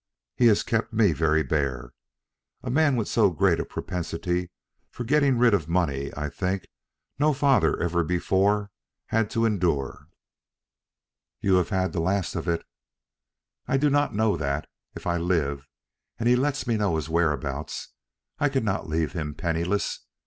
"He has kept me very bare. A man with so great a propensity for getting rid of money I think no father ever before had to endure." "You have had the last of it." "I do not know that. If I live, and he lets me know his whereabouts, I cannot leave him penniless.